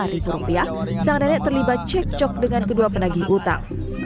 seorang nenek terlibat cek cok dengan kedua penagi utang